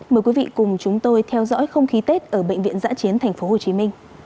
mời quý vị cùng chúng tôi theo dõi không khí tết ở bệnh viện giã chiến tp hcm